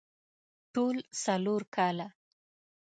ټول څلور کاله